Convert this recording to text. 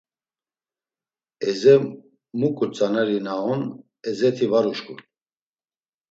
Eze muǩu tzaneri na on Ezesti var uşǩun.